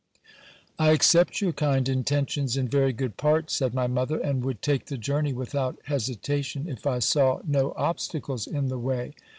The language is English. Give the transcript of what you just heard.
I accept your kind intentions in very good part, said my mother ; and would take the journey without hesitation, if I saw no obstacles in the .way.